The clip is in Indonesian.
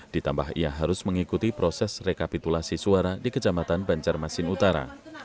ditambah ia harus mengikuti proses rekapitulasi suara di kecamatan banjarmasin utara